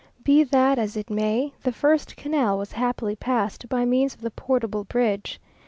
Be that as it may, the first canal was happily passed by means of the portable bridge.